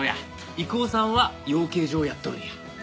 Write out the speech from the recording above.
郁夫さんは養鶏場をやっとるんや。